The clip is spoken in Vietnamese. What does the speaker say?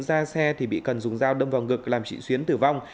ra xe thì bị cần dùng dao đâm vào ngực làm chị xuyến tử vong